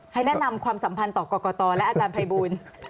ให้แนะนำความสัมพันธ์ต่อกรกตและอาจารย์ภัยบูล